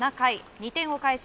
２点を返し